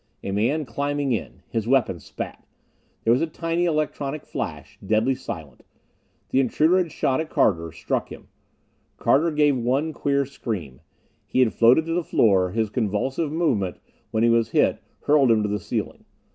A man climbing in! His weapon spat. There was a tiny electronic flash, deadly silent. The intruder had shot at Carter; struck him. Carter gave one queer scream. He had floated to the floor; his convulsive movement when he was hit hurled him to the ceiling.